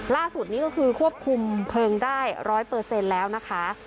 ล่าสุดนี้ก็คือควบคุมเพลิงได้ร้อยเปอร์เซ็นต์แล้วนะคะ